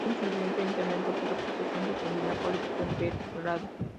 Este incidente incrementó su reputación de criminal político en Belgrado.